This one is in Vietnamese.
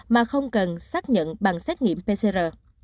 mà không cần xác nhận bằng xét nghiệm pcr